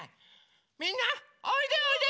みんなおいでおいで！